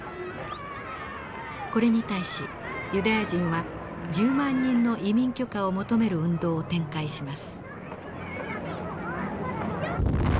これに対しユダヤ人は１０万人の移民許可を求める運動を展開します。